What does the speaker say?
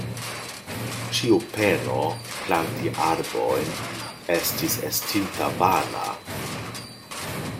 Ĉiu peno planti arbojn, estis estinta vana.